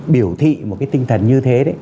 biểu thị một cái tinh thần như thế